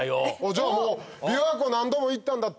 じゃあもう琵琶湖何度も行ったんだったら。